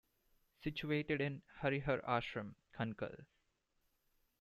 Situated in Harihar Ashram, Kankhal.